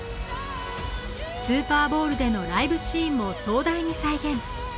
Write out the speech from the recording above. スーパーボウルでのライブシーンも壮大に再現。